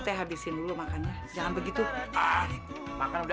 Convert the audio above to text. telah engkau berikan